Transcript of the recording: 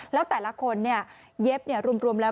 และแต่ละคนเนี่ยเย็บรุ่นรวมแล้ว